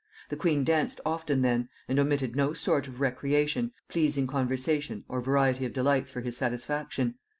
The queen danced often then, and omitted no sort of recreation, pleasing conversation, or variety of delights for his satisfaction.